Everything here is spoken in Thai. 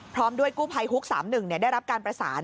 พร้อมด้วยกู้ภัยฮุก๓๑ได้รับการประสาน